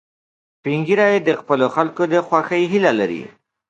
سپین ږیری د خپلو خلکو د خوښۍ هیله لري